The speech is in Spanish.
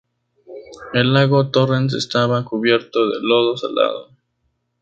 El Lago Torrens estaba cubierto de lodo salado.